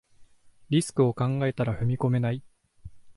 リスクを考えたら踏み込めない